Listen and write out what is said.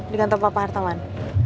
di kantor papa hartawan